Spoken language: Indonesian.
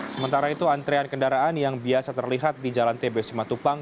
sementara itu antrean kendaraan yang biasa terlihat di jalan tbc matupang